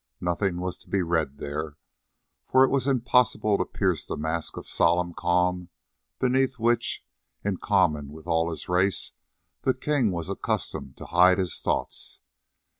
Nothing was to be read there, for it was impossible to pierce the mask of solemn calm beneath which, in common with all his race, the king was accustomed to hide his thoughts.